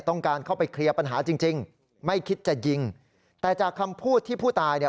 ต้องการเข้าไปเคลียร์ปัญหาจริงจริงไม่คิดจะยิงแต่จากคำพูดที่ผู้ตายเนี่ย